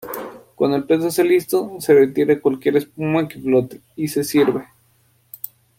Cuando el plato está listo, se retira cualquier espuma que flote y se sirve.